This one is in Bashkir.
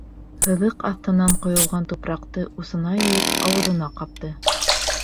Һыҙыҡ аҫтынан ҡойолған тупраҡты усына йыйып, ауыҙына ҡапты.